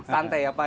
santai ya pak ya